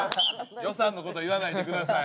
予算のこと言わないでください。